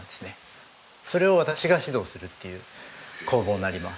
それを私が指導するっていう工房になります。